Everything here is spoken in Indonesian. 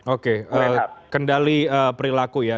oke kendali perilaku ya